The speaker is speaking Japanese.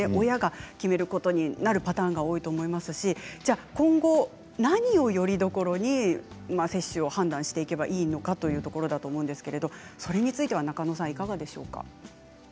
親が決めることになるパターンが多いと思いますし今後、何をよりどころに接種を判断していけばいいのかというところだと思うんですけれどもそれについては中野さん、いかがでしょうか。